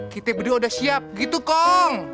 kita berdua udah siap gitu kang